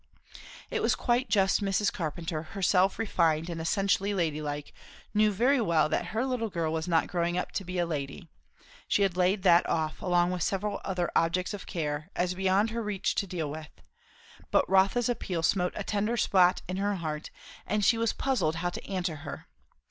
It was quite just Mrs. Carpenter, herself refined and essentially lady like, knew very well that her little girl was not growing up to be a lady; she had laid that off, along with several other subjects of care, as beyond her reach to deal with; but Rotha's appeal smote a tender spot in her heart, and she was puzzled how to answer her.